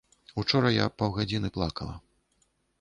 Учора я паўгадзіны плакала.